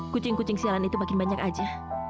kucing kucing sialan itu makin banyak saja